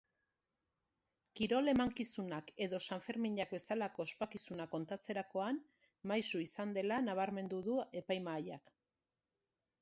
Kirol emankizunak edo sanferminak bezalako ospakizunak kontatzerakoan maisu izan dela nabarmendu du epaimahaiak.